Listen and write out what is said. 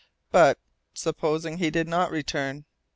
"But supposing he did not return?"